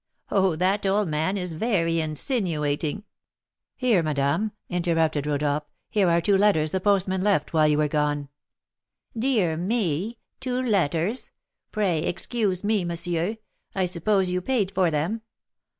Oh, that old man is a very insinuating " "Here, madame," interrupted Rodolph, "here are two letters the postman left while you were gone." "Dear me! Two letters! Pray excuse me, monsieur. I suppose you paid for them?"